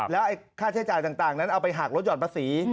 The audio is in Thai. แล้วค่าใช้จ่ายต่างนั้นเอาไปหักลดห่อนภาษี